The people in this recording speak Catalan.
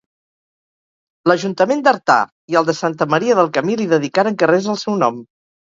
L'ajuntament d'Artà i el de Santa Maria del Camí li dedicaren carrers al seu nom.